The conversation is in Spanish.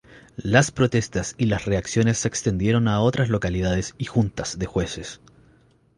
Las protestas y las reacciones se extendieron a otras localidades y Juntas de Jueces.